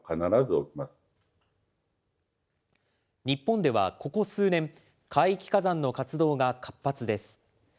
日本ではここ数年、海域火山の活動が活発です。